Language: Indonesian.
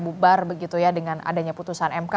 bubar begitu ya dengan adanya putusan mk